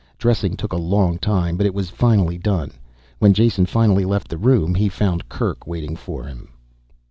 Dressing took a long time, but it was finally done. When Jason finally left the room he found Kerk waiting for him.